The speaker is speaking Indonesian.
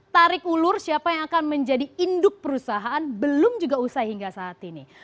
tarik ulur siapa yang akan menjadi induk perusahaan belum juga usai hingga saat ini